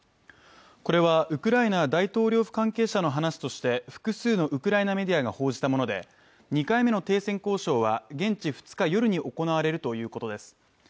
これはウクライナ大統領府関係者の話として複数のウクライナメディアが報じたもので２回目の停戦交渉は現地２日夜に行われるということです。